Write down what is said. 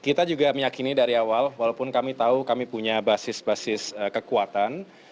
kita juga meyakini dari awal walaupun kami tahu kami punya basis basis kekuatan